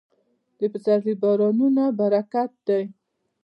د پسرلي بارانونه برکت دی.